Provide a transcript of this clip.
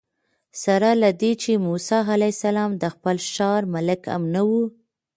سره له دې چې موسی علیه السلام د خپل ښار ملک هم نه و.